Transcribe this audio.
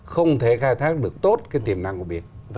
không thể khai thác được tốt cái tiềm năng của biển